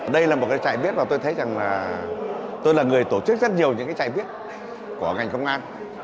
đây là một trại viết mà tôi thấy rằng là tôi là người tổ chức rất nhiều những trại viết của ngành công an